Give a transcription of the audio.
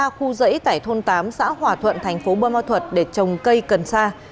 phong đã trồng dãy tại thôn tám xã hỏa thuận thành phố bơ ma thuật để trồng cây cần sa